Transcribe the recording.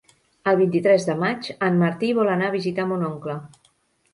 El vint-i-tres de maig en Martí vol anar a visitar mon oncle.